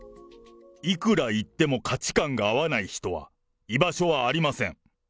いくら言っても価値観が合わない人は居場所はありません。